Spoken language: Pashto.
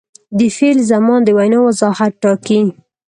د فعل زمان د وینا وضاحت ټاکي.